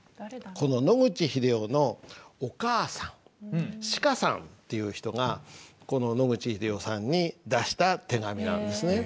この野口英世のお母さんシカさんっていう人が野口英世さんに出した手紙なんですね。